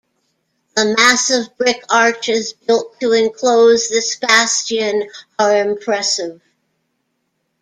The massive brick arches built to enclose this bastion are impressive.